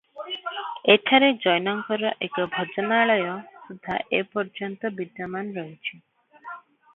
ଏଠାରେ ଜୈନଙ୍କର ଏକ ଭଜନାଳୟ ସୁଦ୍ଧା ଏପର୍ଯ୍ୟନ୍ତ ବିଦ୍ୟମାନ ଅଛି ।